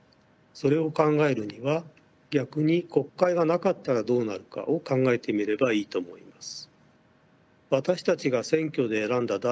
それを考えるには逆に国会がなかったらどうなるかを考えてみればいいと思います。